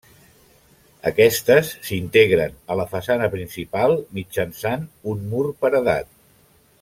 Aquestes s'integren a la façana principal mitjançant un mur paredat.